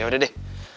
ya udah deh